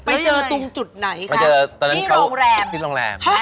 ไปเจอตรงจุดไหนครับที่โรงแรมนี่ลองแรม